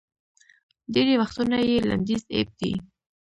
ډېری وختونه یې لنډیز اېب دی